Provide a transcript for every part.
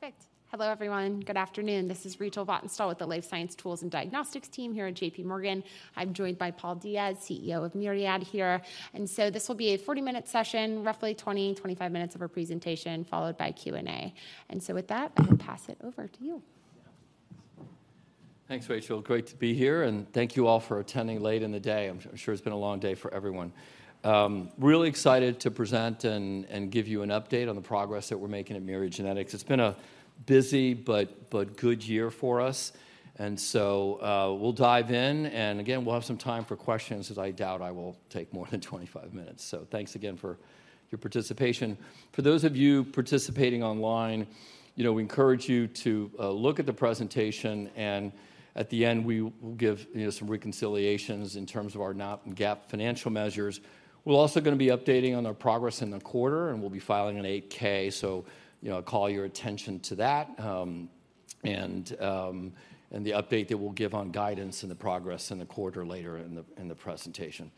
Perfect! Hello, everyone. Good afternoon. This is Rachel Vatnsdal with the Life Science Tools and Diagnostics team here at JPMorgan. I'm joined by Paul Diaz, CEO of Myriad here. And so this will be a 40-minute session, roughly 20, 25 minutes of our presentation, followed by Q&A. And so with that, I will pass it over to you. Yeah. Thanks, Rachel. Great to be here, and thank you all for attending late in the day. I'm sure it's been a long day for everyone. Really excited to present and give you an update on the progress that we're making at Myriad Genetics. It's been a busy but good year for us, and so we'll dive in, and again, we'll have some time for questions, as I doubt I will take more than 25 minutes. So thanks again for your participation. For those of you participating online, you know, we encourage you to look at the presentation, and at the end, we will give, you know, some reconciliations in terms of our GAAP and GAAP financial measures. We're also gonna be updating on our progress in the quarter, and we'll be filing an 8-K, so, you know, call your attention to that, and the update that we'll give on guidance and the progress in the quarter later in the presentation.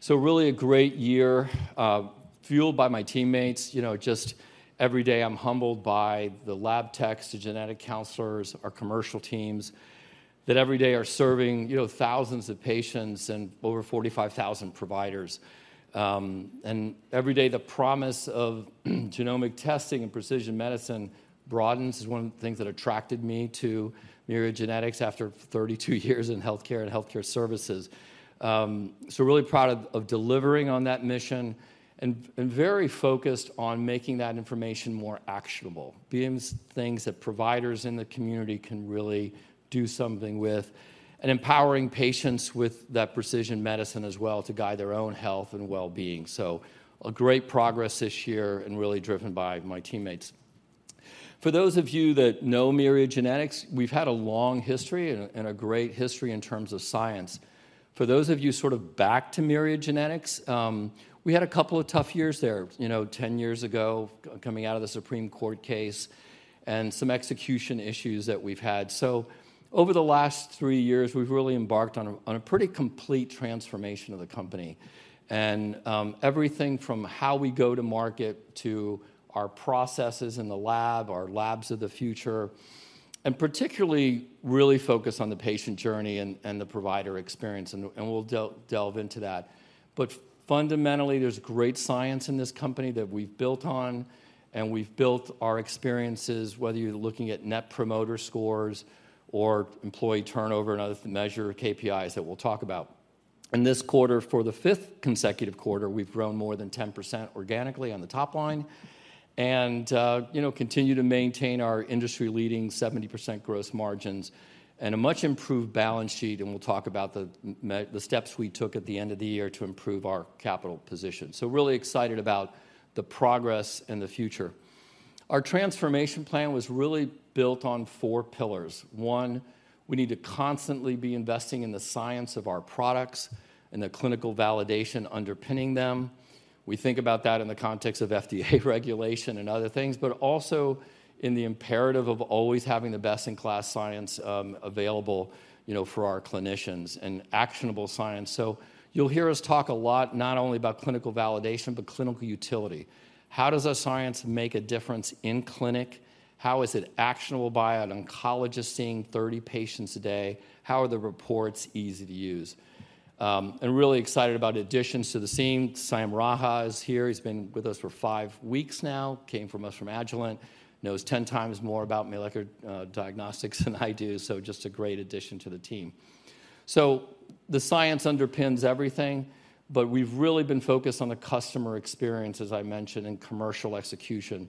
So really a great year, fueled by my teammates. You know, just every day I'm humbled by the lab techs, the genetic counselors, our commercial teams, that every day are serving, you know, thousands of patients and over 45,000 providers. Every day, the promise of genomic testing and precision medicine broadens. It's one of the things that attracted me to Myriad Genetics after 32 years in healthcare and healthcare services. So really proud of delivering on that mission and very focused on making that information more actionable, being things that providers in the community can really do something with, and empowering patients with that precision medicine as well to guide their own health and well-being. So a great progress this year and really driven by my teammates. For those of you that know Myriad Genetics, we've had a long history and a great history in terms of science. For those of you sort of new to Myriad Genetics, we had a couple of tough years there, you know, 10 years ago, coming out of the Supreme Court case, and some execution issues that we've had. So over the last three years, we've really embarked on a pretty complete transformation of the company and everything from how we go to market to our processes in the lab, our labs of the future, and particularly really focused on the patient journey and the provider experience, and we'll delve into that. But fundamentally, there's great science in this company that we've built on, and we've built our experiences, whether you're looking at net promoter scores or employee turnover and other measure KPIs that we'll talk about. In this quarter, for the fifth consecutive quarter, we've grown more than 10% organically on the top line and, you know, continue to maintain our industry-leading 70% gross margins and a much-improved balance sheet, and we'll talk about the steps we took at the end of the year to improve our capital position. So really excited about the progress and the future. Our transformation plan was really built on four pillars. One, we need to constantly be investing in the science of our products and the clinical validation underpinning them. We think about that in the context of FDA regulation and other things, but also in the imperative of always having the best-in-class science, available, you know, for our clinicians, and actionable science. So you'll hear us talk a lot not only about clinical validation, but clinical utility. How does our science make a difference in clinic? How is it actionable by an oncologist seeing 30 patients a day? How are the reports easy to use? And really excited about additions to the team. Sam Raha is here. He's been with us for 5 weeks now, came to us from Agilent, knows 10 times more about molecular diagnostics than I do, so just a great addition to the team. So the science underpins everything, but we've really been focused on the customer experience, as I mentioned, in commercial execution,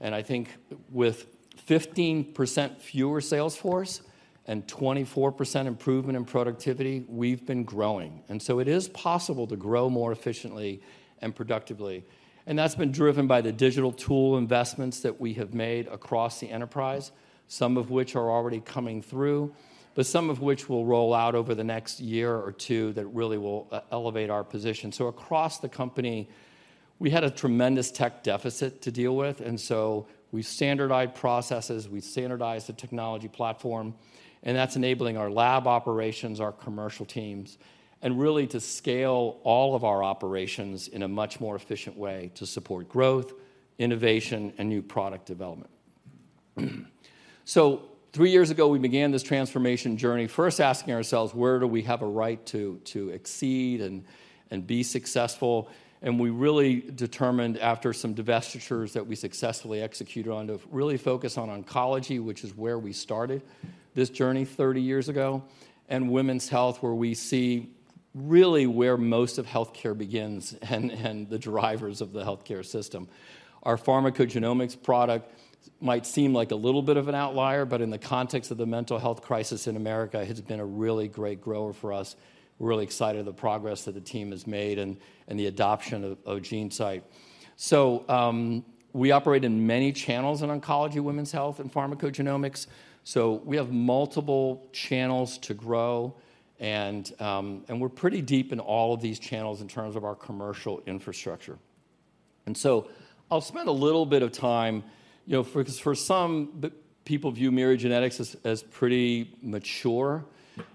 and I think with 15% fewer sales force and 24% improvement in productivity, we've been growing. So it is possible to grow more efficiently and productively. That's been driven by the digital tool investments that we have made across the enterprise, some of which are already coming through, but some of which will roll out over the next year or 20that really will elevate our position. So across the company, we had a tremendous tech deficit to deal with, and so we standardized processes, we standardized the technology platform, and that's enabling our lab operations, our commercial teams, and really to scale all of our operations in a much more efficient way to support growth, innovation, and new product development. So 3 years ago, we began this transformation journey, first asking ourselves: where do we have a right to exceed and be successful? And we really determined, after some divestitures that we successfully executed on, to really focus on oncology, which is where we started this journey 30 years ago, and women's health, where we see really where most of healthcare begins and the drivers of the healthcare system. Our pharmacogenomics product might seem like a little bit of an outlier, but in the context of the mental health crisis in America, it has been a really great grower for us. We're really excited of the progress that the team has made and the adoption of GeneSight. So, we operate in many channels in oncology, women's health, and pharmacogenomics, so we have multiple channels to grow, and we're pretty deep in all of these channels in terms of our commercial infrastructure. And so I'll spend a little bit of time, you know, 'cause for some, the... People view Myriad Genetics as pretty mature,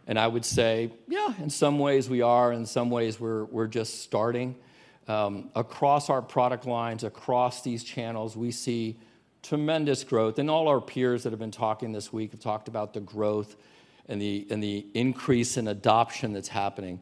and I would say, yeah, in some ways we are, in some ways we're just starting. Across our product lines, across these channels, we see tremendous growth. And all our peers that have been talking this week have talked about the growth and the increase in adoption that's happening.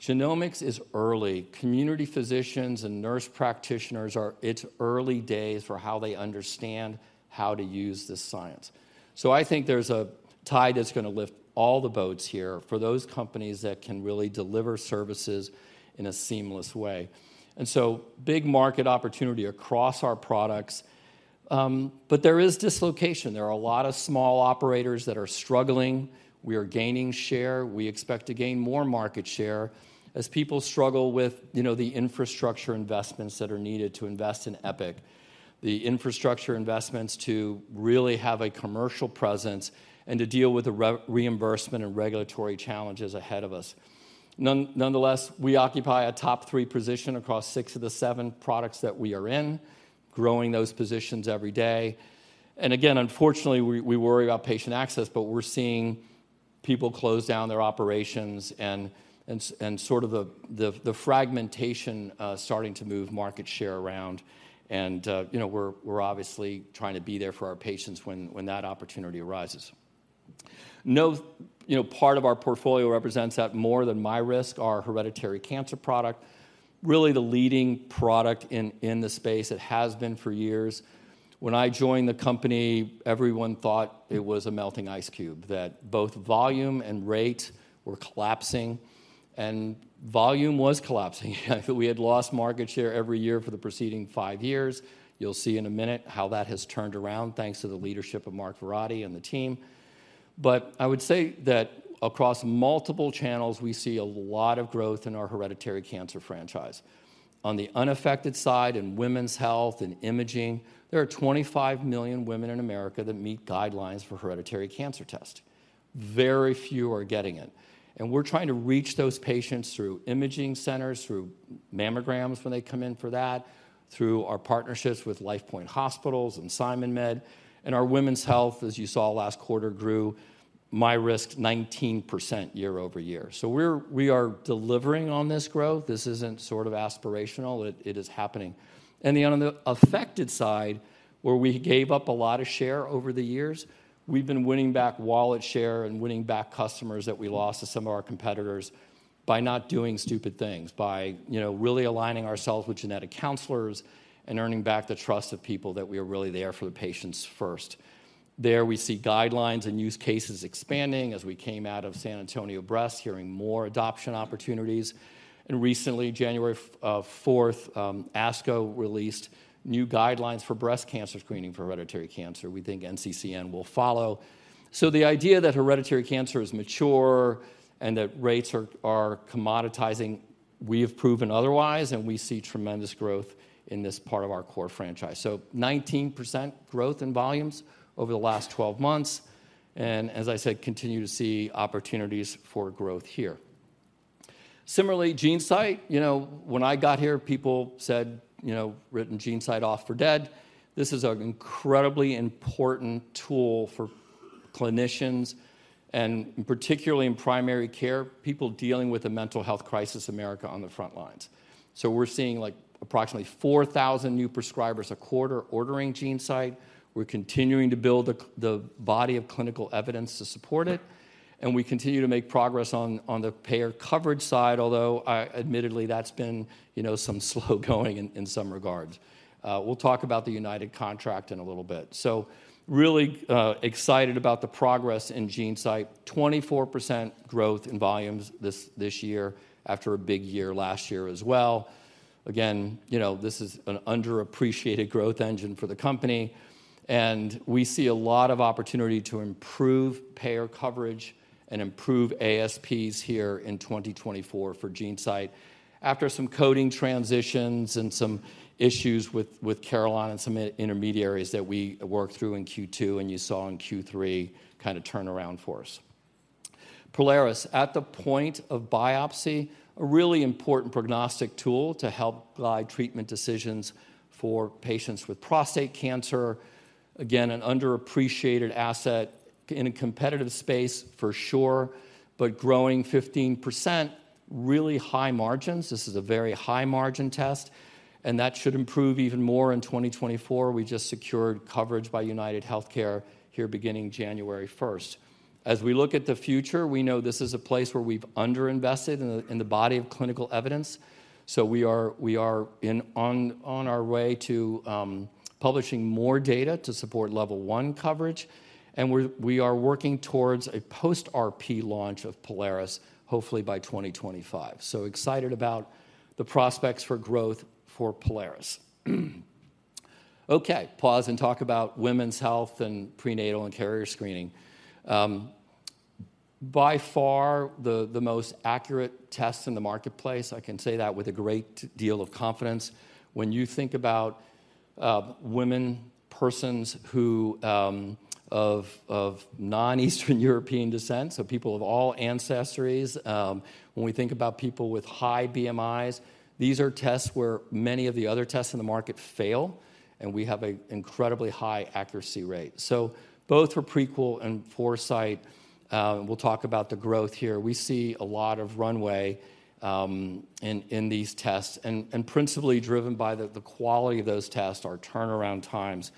Genomics is early. Community physicians and nurse practitioners are—it's early days for how they understand how to use this science. So I think there's a tide that's going to lift all the boats here for those companies that can really deliver services in a seamless way. And so big market opportunity across our products, but there is dislocation. There are a lot of small operators that are struggling. We are gaining share. We expect to gain more market share as people struggle with, you know, the infrastructure investments that are needed to invest in Epic, the infrastructure investments to really have a commercial presence and to deal with the reimbursement and regulatory challenges ahead of us. Nonetheless, we occupy a top three position across six of the seven products that we are in, growing those positions every day. And again, unfortunately, we worry about patient access, but we're seeing people close down their operations and sort of the fragmentation starting to move market share around. And, you know, we're obviously trying to be there for our patients when that opportunity arises. No, you know, part of our portfolio represents that more than MyRisk, oor hereditary cancer product, really the leading product in the space. It has been for years. When I joined the company, everyone thought it was a melting ice cube, that both volume and rate were collapsing, and volume was collapsing. We had lost market share every year for the preceding 5 years. You'll see in a minute how that has turned around, thanks to the leadership of Mark Verratti and the team. But I would say that across multiple channels, we see a lot of growth in our hereditary cancer franchise. On the unaffected side, in women's health and imaging, there are 25 million women in America that meet guidelines for hereditary cancer test. Very few are getting it, and we're trying to reach those patients through imaging centers, through mammograms when they come in for that, through our partnerships with LifePoint Health and SimonMed. Our women's health, as you saw last quarter, grew MyRisk 19% year-over-year. So we are delivering on this growth. This isn't sort of aspirational. It is happening. And then on the affected side, where we gave up a lot of share over the years, we've been winning back wallet share and winning back customers that we lost to some of our competitors by not doing stupid things, by you know, really aligning ourselves with genetic counselors and earning back the trust of people that we are really there for the patients first. There, we see guidelines and use cases expanding as we came out of San Antonio Breast, hearing more adoption opportunities. And recently, 4 January, ASCO released new guidelines for breast cancer screening for hereditary cancer. We think NCCN will follow. So the idea that hereditary cancer is mature and that rates are commoditizing, we have proven otherwise, and we see tremendous growth in this part of our core franchise. So 19% growth in volumes over the last 12 months, and as I said, continue to see opportunities for growth here. Similarly, GeneSight, you know, when I got here, people said, you know, written GeneSight off for dead. This is an incredibly important tool for clinicians and particularly in primary care, people dealing with a mental health crisis, America on the front lines. So we're seeing, like, approximately 4,000 new prescribers a quarter ordering GeneSight. We're continuing to build the body of clinical evidence to support it, and we continue to make progress on the payer coverage side, although, admittedly, that's been, you know, some slow going in some regards. We'll talk about the United Contract in a little bit. So really excited about the progress in GeneSight. 24% growth in volumes this year after a big year last year as well. Again, you know, this is an underappreciated growth engine for the company, and we see a lot of opportunity to improve payer coverage and improve ASPs here in 2024 for GeneSight. After some coding transitions and some issues with Carelon and some intermediaries that we worked through in Q2 and you saw in Q3, kind of turn around for us. Prolaris, at the point of biopsy, a really important prognostic tool to help guide treatment decisions for patients with prostate cancer. Again, an underappreciated asset in a competitive space for sure, but growing 15%, really high margins. This is a very high-margin test, and that should improve even more in 2024. We just secured coverage by UnitedHealthcare here beginning 1 January. As we look at the future, we know this is a place where we've underinvested in the, in the body of clinical evidence, so we are on our way to publishing more data to support level one coverage, and we're working towards a post-RP launch of Prolaris, hopefully by 2025. So excited about the prospects for growth for Prolaris. Okay, pause and talk about women's health and prenatal and carrier screening. By far, the most accurate test in the marketplace, I can say that with a great deal of confidence. When you think about-... Women, persons who of non-Eastern European descent, so people of all ancestries, when we think about people with high BMIs, these are tests where many of the other tests in the market fail, and we have a incredibly high accuracy rate. S0 both for Prequel and Foresight, we'll talk about the growth here. We see a lot of runway in these tests, and principally driven by the quality of those tests, our turnaround times,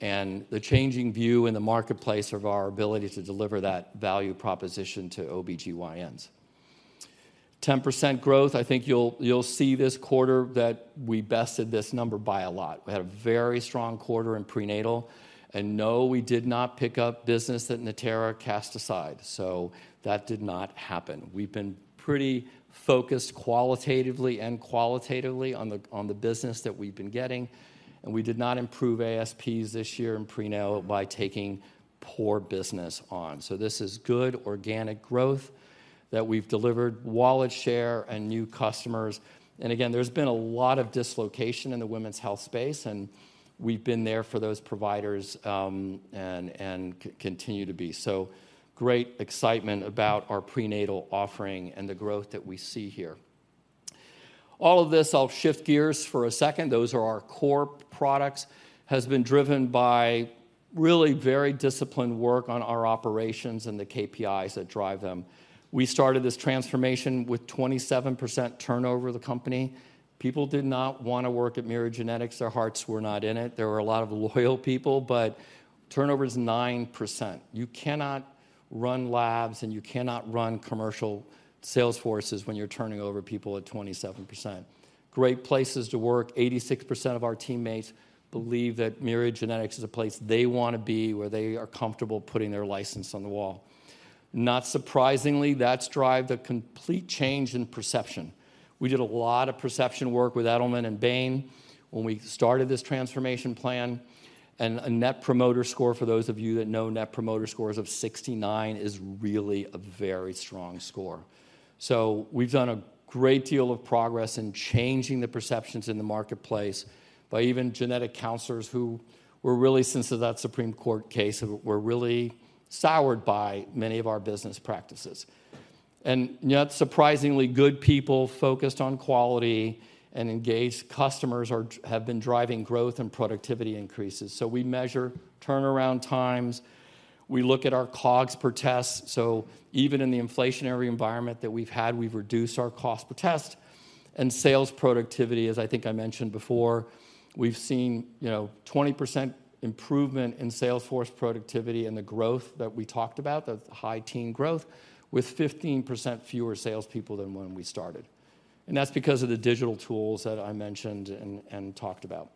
and the changing view in the marketplace of our ability to deliver that value proposition to OB-GYNs. 10% growth, I think you'll see this quarter that we bested this number by a lot. We had a very strong quarter in prenatal, and no, we did not pick up business that Natera cast aside, so that did not happen. We've been pretty focused qualitatively and qualitatively on the business that we've been getting, and we did not improve ASPs this year in prenatal by taking poor business on. So this is good, organic growth that we've delivered, wallet share, and new customers. And again, there's been a lot of dislocation in the women's health space, and we've been there for those providers, and continue to be. So great excitement about our prenatal offering and the growth that we see here. All of this, I'll shift gears for a second, those are our core products, has been driven by really very disciplined work on our operations and the KPIs that drive them. We started this transformation with 27% turnover of the company. People did not want to work at Myriad Genetics. Their hearts were not in it. There were a lot of loyal people, but turnover is 9%. You cannot run labs, and you cannot run commercial sales forces when you're turning over people at 27%. Great places to work. 86% of our teammates believe that Myriad Genetics is a place they want to be, where they are comfortable putting their license on the wall. Not surprisingly, that's driven a complete change in perception. We did a lot of perception work with Edelman and Bain when we started this transformation plan, and a net promoter score, for those of you that know net promoter scores, of 69 is really a very strong score. So we've done a great deal of progress in changing the perceptions in the marketplace by even genetic counselors who were really, since that Supreme Court case, were really soured by many of our business practices. Not surprisingly, good people focused on quality and engaged customers have been driving growth and productivity increases. So we measure turnaround times. We look at our COGS per test, so even in the inflationary environment that we've had, we've reduced our cost per test. And sales productivity, as I think I mentioned before, we've seen, you know, 20% improvement in sales force productivity and the growth that we talked about, the high-teen growth, with 15% fewer salespeople than when we started. And that's because of the digital tools that I mentioned and, and talked about.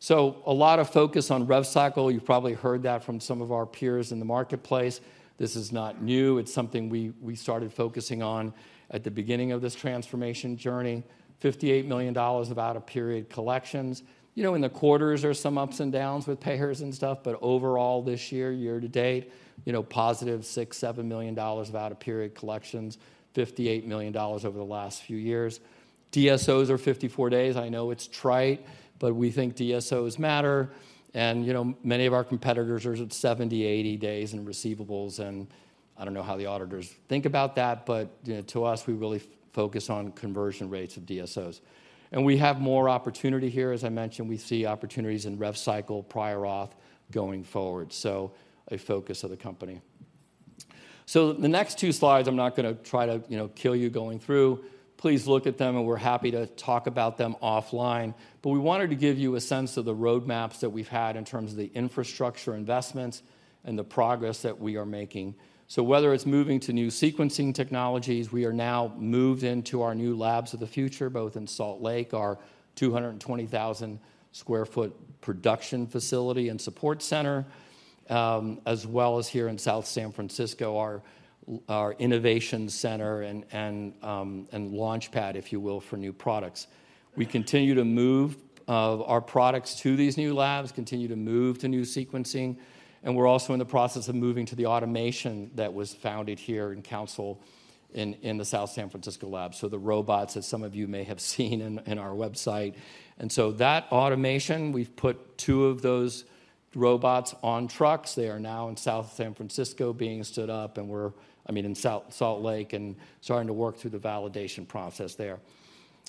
So a lot of focus on rev cycle. You've probably heard that from some of our peers in the marketplace. This is not new. It's something we, we started focusing on at the beginning of this transformation journey. $08 million of out-of-period collections. You know, in the quarters, there are some ups and downs with payers and stuff, but overall, this year, year to date, you know, positive $6-$7 million of out-of-period collections, $58 million over the last few years. DSOs are 54 days. I know it's trite, but we think DSOs matter, and, you know, many of our competitors are at 70-80 days in receivables, and I don't know how the auditors think about that, but, you know, to us, we really focus on conversion rates of DSOs. And we have more opportunity here. As I mentioned, we see opportunities in rev cycle prior auth going forward, so a focus of the company. So the next two slides, I'm not going to try to, you know, kill you going through. Please look at them, and we're happy to talk about them offline. But we wanted to give you a sense of the roadmaps that we've had in terms of the infrastructure investments and the progress that we are making. So whether it's moving to new sequencing technologies, we are now moved into our new labs of the future, both in Salt Lake, our 220,000 sq ft production facility and support center, as well as here in South San Francisco, our innovation center and launchpad, if you will, for new products. We continue to move our products to these new labs, continue to move to new sequencing, and we're also in the process of moving to the automation that was founded here in the South San Francisco lab, so the robots that some of you may have seen in our website. And so that automation, we've put 2 of those robots on trucks. They are now in South San Francisco being stood up, and we're I mean, in Salt Lake and starting to work through the validation process there.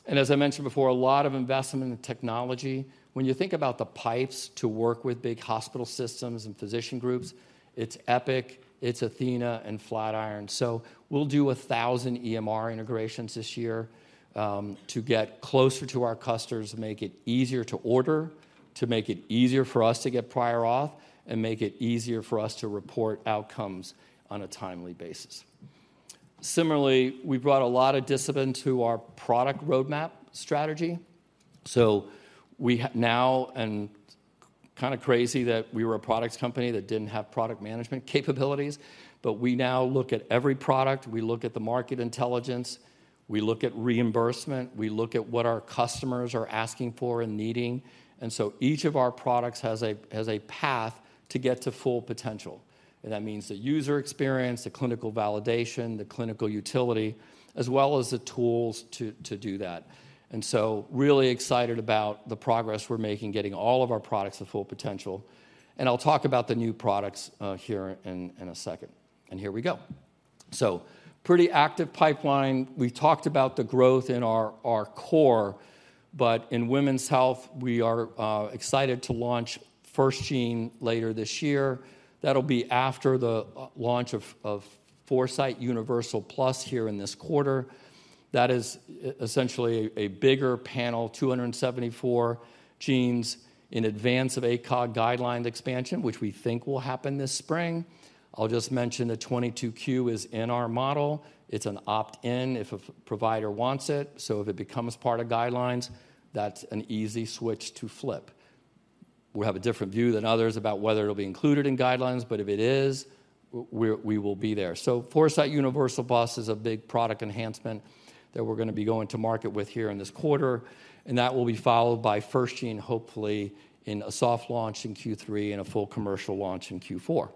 And as I mentioned before, a lot of investment in technology. When you think about the pipes to work with big hospital systems and physician groups, it's Epic, it's Athena, and Flatiron. So we'll do 1,000 EMR integrations this year to get closer to our customers and make it easier to order, to make it easier for us to get prior auth, and make it easier for us to report outcomes on a timely basis. Similarly, we brought a lot of discipline to our product roadmap strategy. So we now, and kind of crazy that we were a products company that didn't have product management capabilities, but we now look at every product, we look at the market intelligence. We look at reimbursement, we look at what our customers are asking for and needing, and so each of our products has a path to get to full potential. And that means the user experience, the clinical validation, the clinical utility, as well as the tools to do that. And so really excited about the progress we're making, getting all of our products to full potential. And I'll talk about the new products here in a second. And here we go. So pretty active pipeline. We talked about the growth in our core, but in women's health, we are excited to launch FirstGene later this year. That'll be after the launch of Foresight Universal Plus here in this quarter. That is essentially a bigger panel, 234 genes in advance of ACOG guideline expansion, which we think will happen this spring. I'll just mention that 22q is in our model. It's an opt-in if a provider wants it, so if it becomes part of guidelines, that's an easy switch to flip. We have a different view than others about whether it'll be included in guidelines, but if it is, we're, we will be there. So Foresight Universal Plus is a big product enhancement that we're going to be going to market with here in this quarter, and that will be followed by FirstGene, hopefully in a soft launch in Q3 and a full commercial launch in Q4.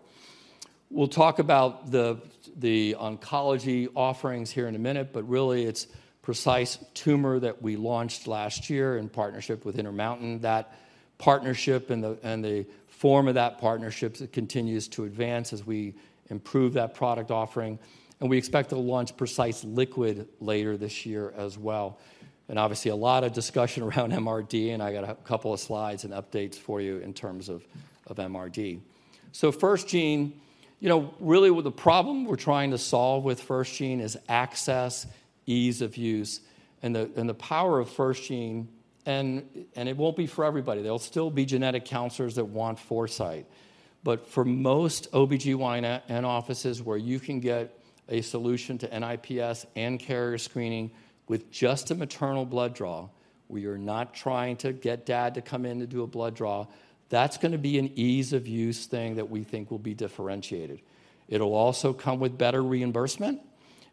We'll talk about the oncology offerings here in a minute, but really, it's Precise Tumor that we launched last year in partnership with Intermountain. That partnership and the form of that partnership continues to advance as we improve that product offering, and we expect to launch Precise Liquid later this year as well. Obviously, a lot of discussion around MRD, and I got a couple of slides and updates for you in terms of MRD. So FirstGene, you know, really what the problem we're trying to solve with FirstGene is access, ease of use, and the power of FirstGene and it won't be for everybody. There'll still be genetic counselors that want Foresight. But for most OBGYN and offices where you can get a solution to NIPS and carrier screening with just a maternal blood draw, we are not trying to get dad to come in to do a blood draw. That's going to be an ease of use thing that we think will be differentiated. It'll also come with better reimbursement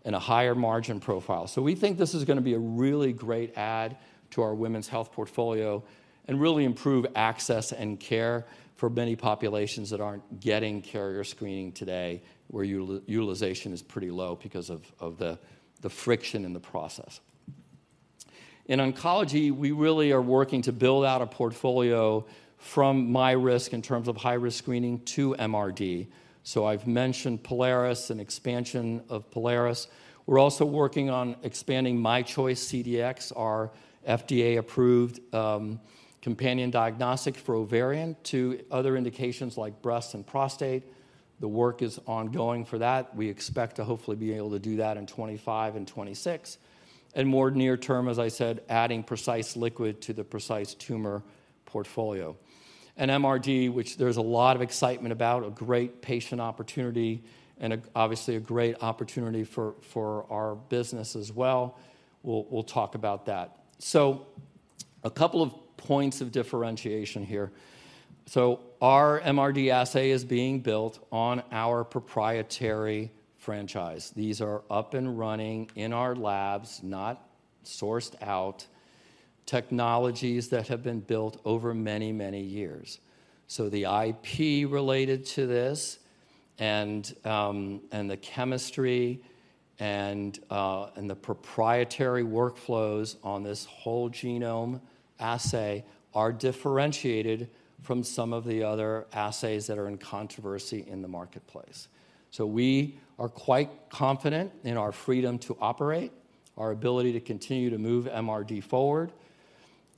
and a higher margin profile. So we think this is going to be a really great add to our women's health portfolio and really improve access and care for many populations that aren't getting carrier screening today, where utilization is pretty low because of the friction in the process. In oncology, we really are working to build out a portfolio from MyRisk in terms of high-risk screening to MRD. So I've mentioned Prolaris and expansion of Prolaris. We're also working on expanding myChoice CDx, our FDA-approved companion diagnostic for ovarian to other indications like breast and prostate. The work is ongoing for that. We expect to hopefully be able to do that in 2025 and 2026. More near term, as I said, adding Precise Liquid to the Precise Tumor portfolio. MRD, which there's a lot of excitement about, a great patient opportunity and, obviously, a great opportunity for our business as well. We'll talk about that. A couple of points of differentiation here. Our MRD assay is being built on our proprietary franchise. These are up and running in our labs, not sourced out, technologies that have been built over many, many years. So the IP related to this and, and the chemistry and, and the proprietary workflows on this whole genome assay are differentiated from some of the other assays that are in controversy in the marketplace. So we are quite confident in our freedom to operate, our ability to continue to move MRD forward,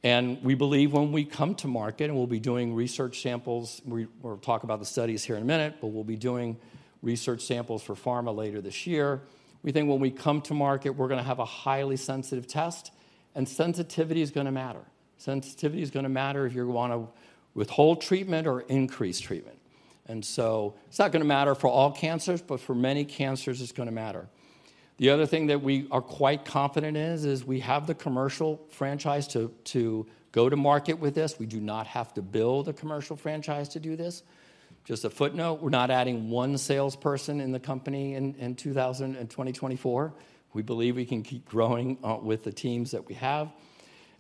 and we believe when we come to market, and we'll be doing research samples, we'll talk about the studies here in a minute, but we'll be doing research samples for pharma later this year. We think when we come to market, we're going to have a highly sensitive test, and sensitivity is going to matter. Sensitivity is going to matter if you want to withhold treatment or increase treatment. And so it's not going to matter for all cancers, but for many cancers, it's going to matter. The other thing that we are quite confident in is we have the commercial franchise to go to market with this. We do not have to build a commercial franchise to do this. Just a footnote, we're not adding one salesperson in the company in 2024. We believe we can keep growing with the teams that we have.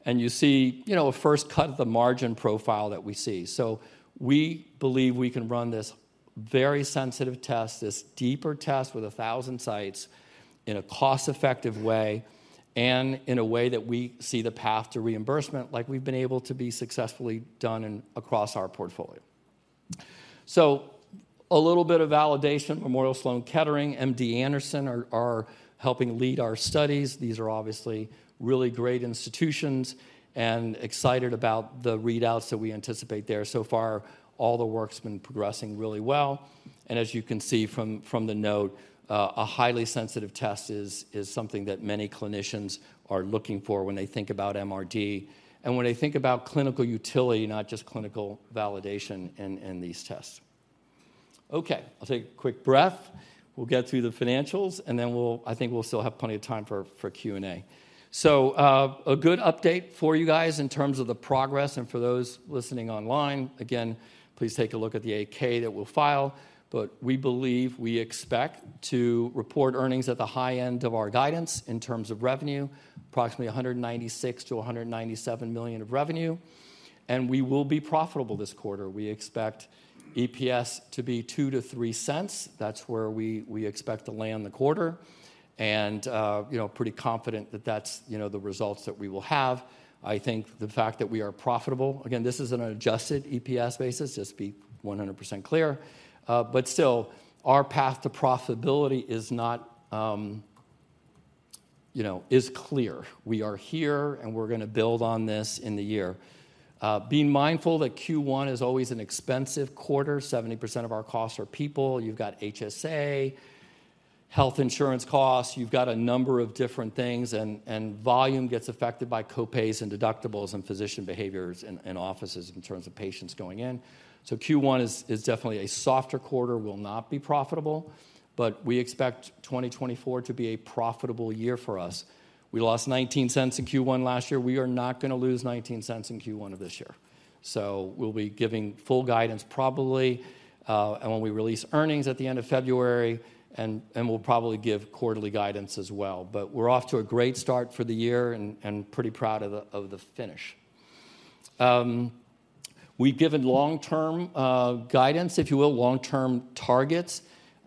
And you see, you know, a first cut of the margin profile that we see. So we believe we can run this very sensitive test, this deeper test with 1,000 sites, in a cost-effective way and in a way that we see the path to reimbursement, like we've been able to be successfully done in across our portfolio. So a little bit of validation. Memorial Sloan Kettering, MD Anderson are helping lead our studies. These are obviously really great institutions and excited about the readouts that we anticipate there. So far, all the work's been progressing really well, and as you can see from the note, a highly sensitive test is something that many clinicians are looking for when they think about MRD, and when they think about clinical utility, not just clinical validation in these tests. Okay, I'll take a quick breath. We'll get through the financials, and then we'll, I think we'll still have plenty of time for Q&A. So, a good update for you guys in terms of the progress, and for those listening online, again, please take a look at the 8-K that we'll file. But we believe, we expect to report earnings at the high end of our guidance in terms of revenue, approximately $196 million-$197 million of revenue, and we will be profitable this quarter. We expect EPS to be $0.02-$0.03. That's where we, we expect to land the quarter, and, you know, pretty confident that that's, you know, the results that we will have. I think the fact that we are profitable-- Again, this is on an adjusted EPS basis, just to be 100% clear. But still, our path to profitability is not, you know, is clear. We are here, and we're gonna build on this in the year. Be mindful that Q1 is always an expensive quarter. 70% of our costs are people. You've got HSA, health insurance costs, you've got a number of different things, and volume gets affected by co-pays and deductibles and physician behaviors in offices in terms of patients going in. So Q1 is definitely a softer quarter, will not be profitable, but we expect 2024 to be a profitable year for us. We lost $0.19 in Q1 last year. We are not gonna lose $0.19 in Q1 of this year. So we'll be giving full guidance probably, and when we release earnings at the end of February, and we'll probably give quarterly guidance as well. But we're off to a great start for the year and pretty proud of the finish. We've given long-term guidance, if you will, long-term targets.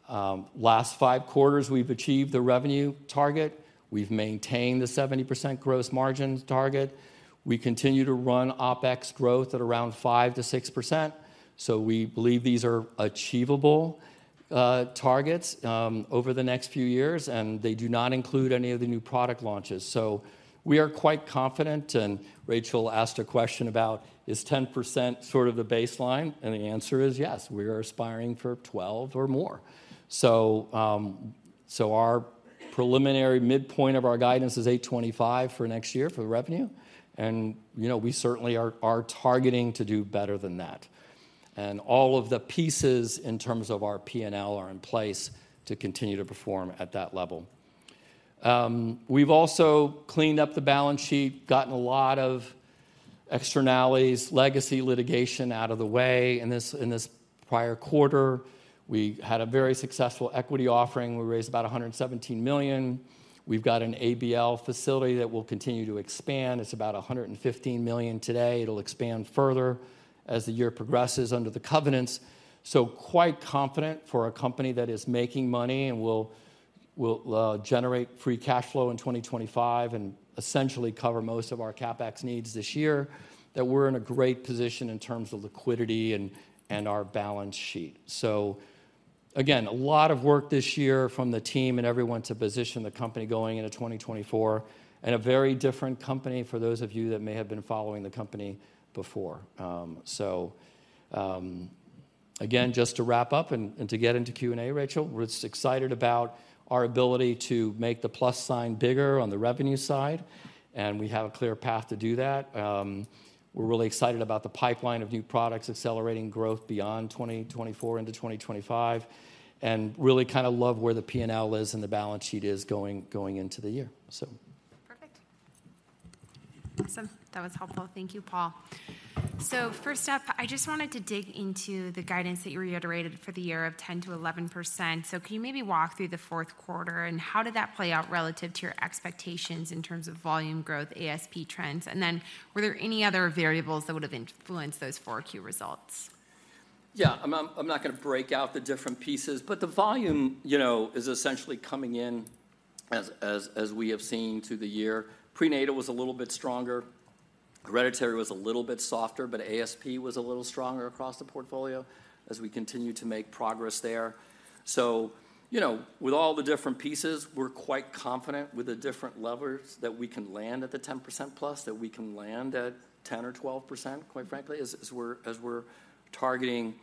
Last five quarters, we've achieved the revenue target. We've maintained the 70% gross margins target. We continue to run OpEx growth at around 5%-6%, so we believe these are achievable targets over the next few years, and they do not include any of the new product launches. We are quite confident, and Rachel asked a question about, "Is 10% sort of the baseline?" The answer is yes, we are aspiring for 12 or more. Our preliminary midpoint of our guidance is $825 million for next year for the revenue, and you know, we certainly are targeting to do better than that. All of the pieces in terms of our P&L are in place to continue to perform at that level. We've also cleaned up the balance sheet, gotten a lot of externalities, legacy litigation out of the way. In this, in this prior quarter, we had a very successful equity offering. We raised about $117 million. We've got an ABL facility that will continue to expand. It's about $115 million today. It'll expand further as the year progresses under the covenants. So quite confident for a company that is making money and will, will, generate free cash flow in 2025 and essentially cover most of our CapEx needs this year, that we're in a great position in terms of liquidity and, and our balance sheet. So again, a lot of work this year from the team and everyone to position the company going into 2024, and a very different company for those of you that may have been following the company before. So, again, just to wrap up and to get into Q&A, Rachel, we're just excited about our ability to make the plus sign bigger on the revenue side, and we have a clear path to do that. We're really excited about the pipeline of new products accelerating growth beyond 2024 into 2025, and really kinda love where the P&L is and the balance sheet is going into the year. So... Perfect. Awesome. That was helpful. Thank you, Paul. So first up, I just wanted to dig into the guidance that you reiterated for the year of 10%-11%. So can you maybe walk through the fourth quarter, and how did that play out relative to your expectations in terms of volume growth, ASP trends? And then, were there any other variables that would have influenced those four Q results? Yeah. I'm not gonna break out the different pieces, but the volume, you know, is essentially coming in as we have seen through the year. Prenatal was a little bit stronger, hereditary was a little bit softer, but ASP was a little stronger across the portfolio as we continue to make progress there. So, you know, with all the different pieces, we're quite confident with the different levers that we can land at the 10%+, that we can land at 10% or 12%, quite frankly, as we're targeting.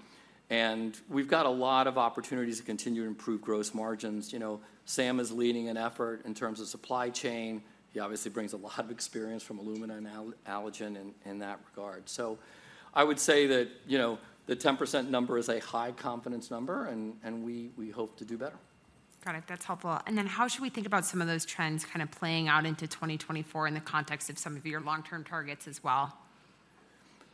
And we've got a lot of opportunities to continue to improve gross margins. You know, Sam is leading an effort in terms of supply chain. He obviously brings a lot of experience from Illumina and Allergan in that regard. So I would say that, you know, the 10% number is a high confidence number, and we hope to do better. Got it. That's helpful. Then how should we think about some of those trends kind of playing out into 2024 in the context of some of your long-term targets as well?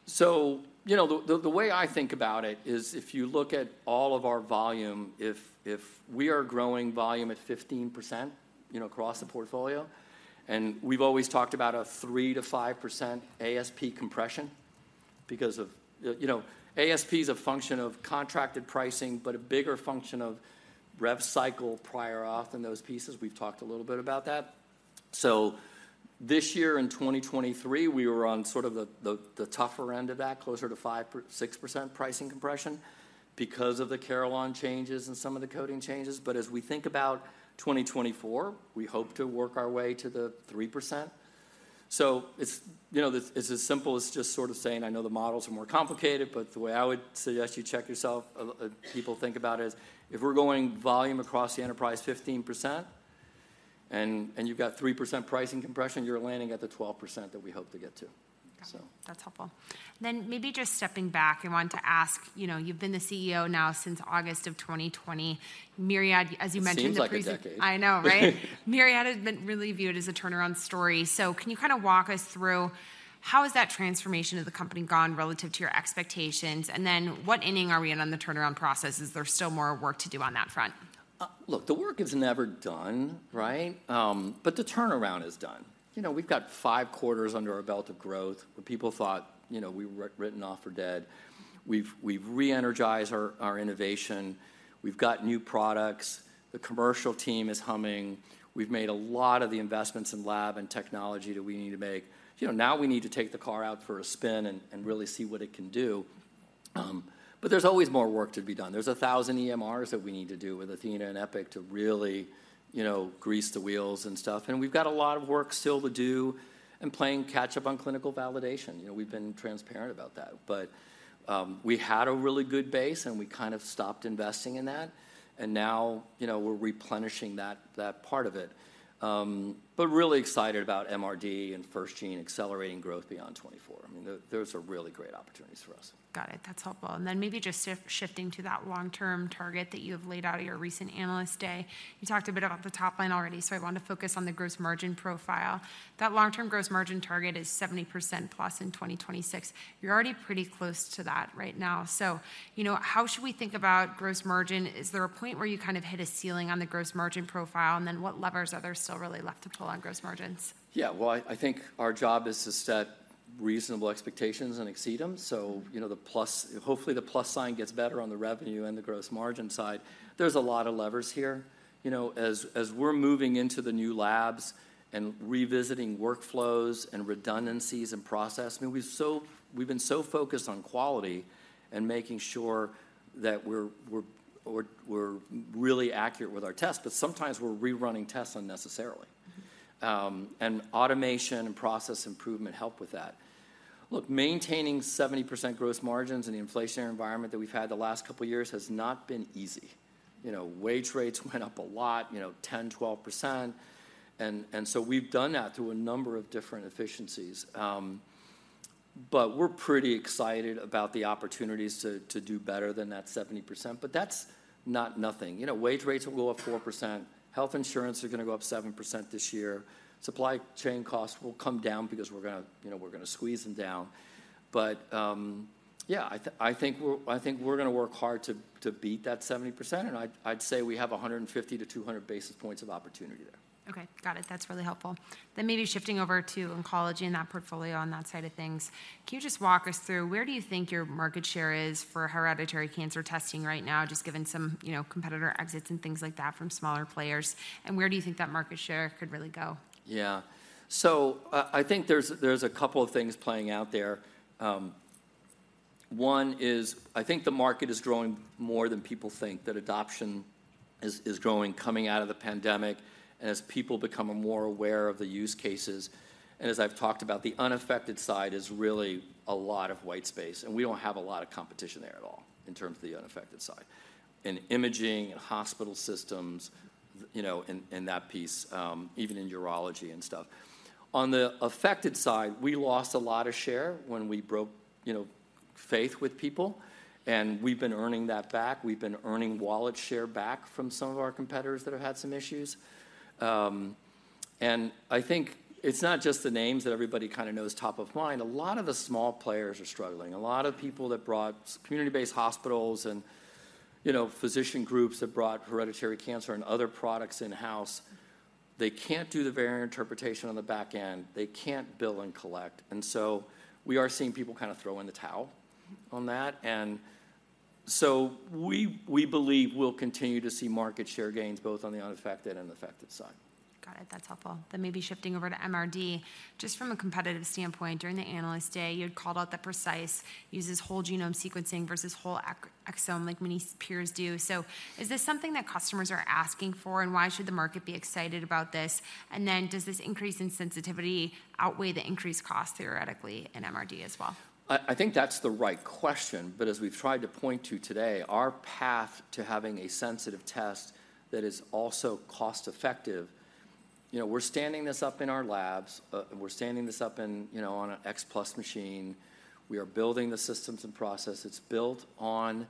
So, you know, the way I think about it is if you look at all of our volume, if we are growing volume at 15%, you know, across the portfolio, and we've always talked about a 3%-5% ASP compression because of... You know, ASP is a function of contracted pricing, but a bigger function of rev cycle prior auth than those pieces. We've talked a little bit about that. So this year, in 2023, we were on sort of the tougher end of that, closer to 5%-6% pricing compression because of the Carelon changes and some of the coding changes. But as we think about 2024, we hope to work our way to the 3%. It's, you know, as simple as just sort of saying, I know the models are more complicated, but the way I would suggest you check yourself, people think about it is, if we're going volume across the enterprise 15% and you've got 3% pricing compression, you're landing at the 12% that we hope to get to. So that's helpful. Then maybe just stepping back, I wanted to ask, you know, you've been the CEO now since August of 2020. Myriad, as you mentioned- It seems like a decade. I know, right? Myriad has been really viewed as a turnaround story. So can you kind of walk us through how has that transformation of the company gone relative to your expectations? And then what inning are we in on the turnaround process? Is there still more work to do on that front? Look, the work is never done, right? But the turnaround is done. You know, we've got 5 quarters under our belt of growth, where people thought, you know, we were written off for dead. We've re-energized our innovation. We've got new products. The commercial team is humming. We've made a lot of the investments in lab and technology that we need to make. You know, now we need to take the car out for a spin and really see what it can do. But there's always more work to be done. There's 1,000 EMRs that we need to do with Athena and Epic to really, you know, grease the wheels and stuff. And we've got a lot of work still to do in playing catch-up on clinical validation. You know, we've been transparent about that. But, we had a really good base, and we kind of stopped investing in that, and now, you know, we're replenishing that, that part of it. But really excited about MRD and FirstGene accelerating growth beyond 2024. I mean, those are really great opportunities for us. Got it. That's helpful. Then maybe just shifting to that long-term target that you have laid out at your recent Analyst Day. You talked a bit about the top line already, so I want to focus on the gross margin profile. That long-term gross margin target is 70%+ in 2026. You're already pretty close to that right now. So, you know, how should we think about gross margin? Is there a point where you kind of hit a ceiling on the gross margin profile, and then what levers are there still really left to pull on gross margins? Yeah. Well, I think our job is to set reasonable expectations and exceed them. So, you know, the plus, hopefully, the plus sign gets better on the revenue and the gross margin side. There's a lot of levers here. You know, as we're moving into the new labs and revisiting workflows and redundancies and process, I mean, we've been so focused on quality and making sure that we're really accurate with our tests, but sometimes we're rerunning tests unnecessarily. And automation and process improvement help with that. Look, maintaining 70% gross margins in the inflationary environment that we've had the last couple of years has not been easy. You know, wage rates went up a lot, you know, 10%, 12%, and so we've done that through a number of different efficiencies. But we're pretty excited about the opportunities to do better than that 70%. But that's not nothing. You know, wage rates will go up 4%. Health insurance is going to go up 7% this year. Supply chain costs will come down because we're gonna, you know, we're gonna squeeze them down. But, yeah, I think we're, I think we're going to work hard to beat that 70%, and I'd, I'd say we have 150-200 basis points of opportunity there. Okay, got it. That's really helpful. Then maybe shifting over to oncology and that portfolio on that side of things, can you just walk us through where do you think your market share is for hereditary cancer testing right now, just given some, you know, competitor exits and things like that from smaller players? And where do you think that market share could really go? Yeah. So I think there's a couple of things playing out there. One is I think the market is growing more than people think, that adoption is growing, coming out of the pandemic and as people become more aware of the use cases. And as I've talked about, the unaffected side is really a lot of white space, and we don't have a lot of competition there at all in terms of the unaffected side. In imaging and hospital systems, you know, in that piece, even in urology and stuff. On the affected side, we lost a lot of share when we broke, you know, faith with people, and we've been earning that back. We've been earning wallet share back from some of our competitors that have had some issues. I think it's not just the names that everybody kind of knows top of mind. A lot of the small players are struggling. A lot of people that brought community-based hospitals and, you know, physician groups that brought hereditary cancer and other products in-house, they can't do the variant interpretation on the back end. They can't bill and collect. And so we are seeing people kind of throw in the towel on that, and so we believe we'll continue to see market share gains both on the unaffected and affected side. Got it. That's helpful. Then maybe shifting over to MRD. Just from a competitive standpoint, during the Analyst Day, you had called out that Precise uses whole genome sequencing versus whole exome, like many peers do. So is this something that customers are asking for, and why should the market be excited about this? And then does this increase in sensitivity outweigh the increased cost, theoretically, in MRD as well? I think that's the right question, but as we've tried to point to today, our path to having a sensitive test that is also cost-effective... You know, we're standing this up in our labs. We're standing this up in, you know, on an X Plus machine. We are building the systems and processes. It's built on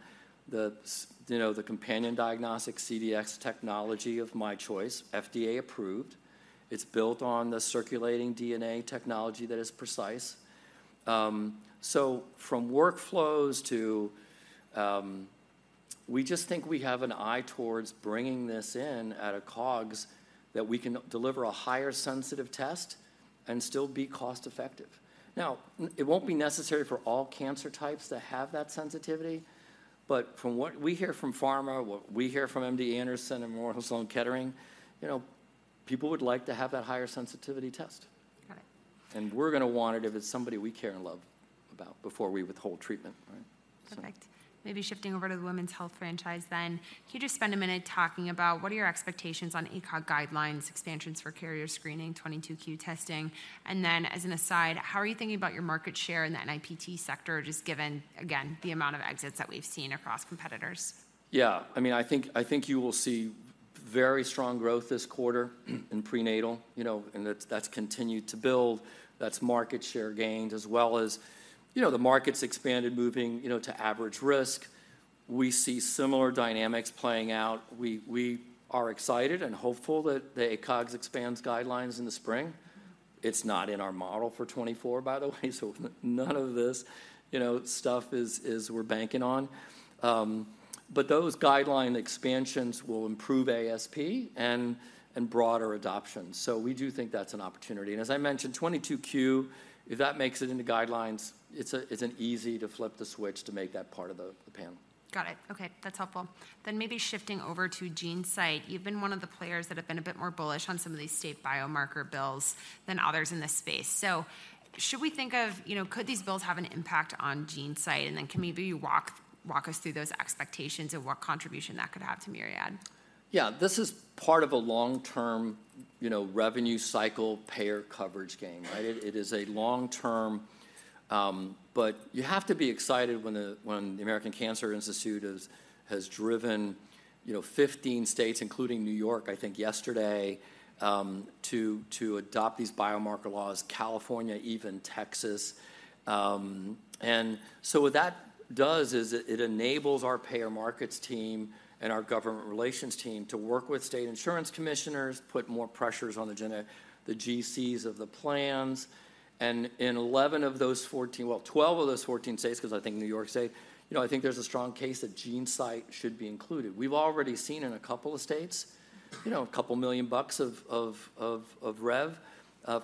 the, you know, the companion diagnostic CDx technology of myChoice, FDA approved. It's built on the circulating DNA technology that is Precise. So from workflows to... We just think we have an eye towards bringing this in at a COGS that we can deliver a higher sensitive test and still be cost-effective. Now, it won't be necessary for all cancer types to have that sensitivity, but from what we hear from pharma, what we hear from MD Anderson and Memorial Sloan Kettering, you know, people would like to have that higher sensitivity test. Got it. We're going to want it if it's somebody we care and love about before we withhold treatment, right? So- Perfect. Maybe shifting over to the women's health franchise then, can you just spend a minute talking about what are your expectations on ACOG guidelines, expansions for carrier screening, 22q testing? And then, as an aside, how are you thinking about your market share in the NIPT sector, just given, again, the amount of exits that we've seen across competitors? Yeah. I mean, I think, I think you will see very strong growth this quarter in prenatal, you know, and that's, that's continued to build. That's market share gains as well as, you know, the market's expanded, moving, you know, to average risk. We see similar dynamics playing out. We, we are excited and hopeful that the ACOG's expands guidelines in the spring. It's not in our model for 2024, by the way, so none of this, you know, stuff is, is we're banking on. But those guideline expansions will improve ASP and, and broader adoption. So we do think that's an opportunity. And as I mentioned, 22q, if that makes it into guidelines, it's an easy to flip the switch to make that part of the, the panel. Got it. Okay, that's helpful. Then maybe shifting over to GeneSight. You've been one of the players that have been a bit more bullish on some of these state biomarker bills than others in this space. So should we think of, you know, could these bills have an impact on GeneSight? And then can maybe you walk us through those expectations and what contribution that could have to Myriad? Yeah, this is part of a long-term, you know, revenue cycle payer coverage game, right? It is a long term, but you have to be excited when the American Cancer Institute has driven, you know, 15 states, including New York, I think yesterday, to adopt these biomarker laws, California, even Texas. And so what that does is it enables our payer markets team and our government relations team to work with state insurance commissioners, put more pressures on the GCs of the plans. And in 11 of those 14... well, 12 of those 14 states, 'cause I think New York State, you know, I think there's a strong case that GeneSight should be included. We've already seen in a couple of states, you know, $2 million of rev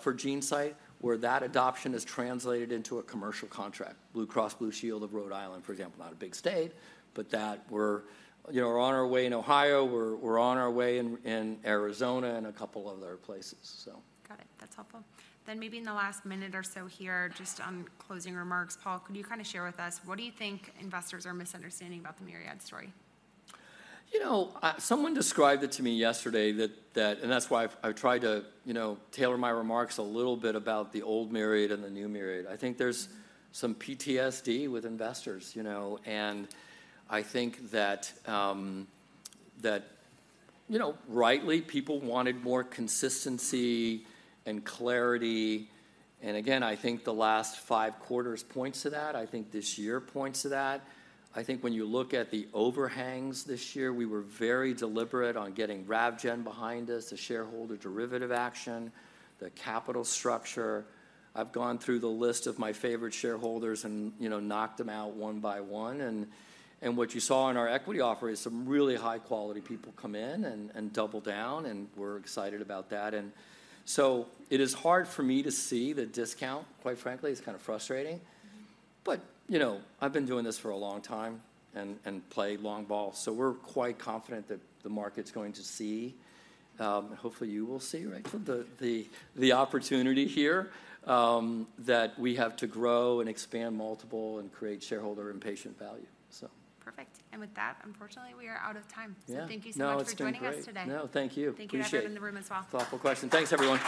for GeneSight, where that adoption is translated into a commercial contract. Blue Cross Blue Shield of Rhode Island, for example, not a big state, but we're, you know, we're on our way in Ohio, we're on our way in Arizona and a couple other places, so. Got it. That's helpful. Then maybe in the last minute or so here, just on closing remarks, Paul, could you kind of share with us, what do you think investors are misunderstanding about the Myriad story? You know, someone described it to me yesterday that and that's why I've tried to, you know, tailor my remarks a little bit about the old Myriad and the new Myriad. I think there's some PTSD with investors, you know, and I think that, you know, rightly, people wanted more consistency and clarity. And again, I think the last five quarters points to that. I think this year points to that. I think when you look at the overhangs this year, we were very deliberate on getting Ravgen behind us, the shareholder derivative action, the capital structure. I've gone through the list of my favorite shareholders and, you know, knocked them out one by one. And what you saw in our equity offer is some really high-quality people come in and double down, and we're excited about that. And so it is hard for me to see the discount, quite frankly, it's kind of frustrating. Mm-hmm. But, you know, I've been doing this for a long time and play long ball, so we're quite confident that the market's going to see, hopefully you will see, right, the opportunity here that we have to grow and expand multiple and create shareholder and patient value, so. Perfect. With that, unfortunately, we are out of time. Yeah. Thank you so much. No, it's been great.... for joining us today. No, thank you. Appreciate it. Thank you, everyone in the room os well. Thoughtful question. Thanks, everyone.